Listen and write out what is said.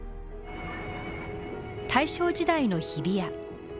大正時代の日比谷。